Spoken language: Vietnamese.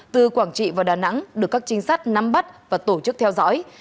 từ quảng trị vào đà nẵng được các trinh sát nắm bắt và tổ chức theo dõi